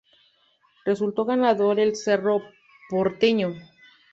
Resultó ganador el Cerro Porteño.